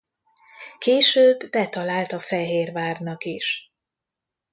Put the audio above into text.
Később betalált a Fehérvárnak is.